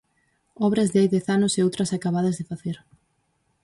Obras de hai dez anos e outras acabadas de facer.